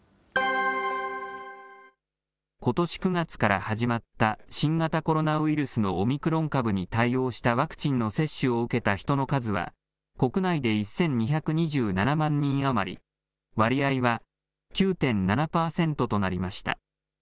ことし９月から始まった新型コロナウイルスのオミクロン株に対応したワクチンの接種を受けた人の数は、国内で１２２７万人余り、割合は９．７％となりました。